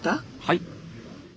はい？